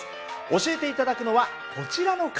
教えて頂くのはこちらの方。